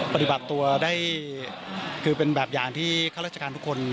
ปฏิบัติตัวได้คือเป็นแบบอย่างที่ข้าราชการทุกคน